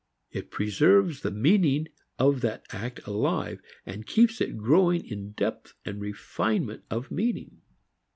It preserves the meaning of that act alive, and keeps it growing in depth and refinement of meaning.